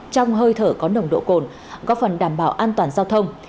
trong hơi thở có nồng độ cồn góp phần đảm bảo an toàn giao thông